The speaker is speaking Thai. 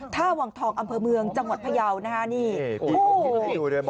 ท่าวังทองอำเภอเมืองจังหวัดพยาวนะฮะพูดดูเลยอ๋ออ๋ออ๋ออ๋ออ๋อ